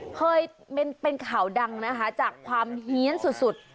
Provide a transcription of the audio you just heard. เคยเป็นข่าวดังนะคะจากความเฮียนสุด